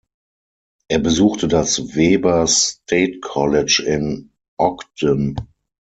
Er besuchte das Weber State College in Ogden.